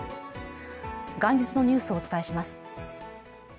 元日のニュースをお伝えします。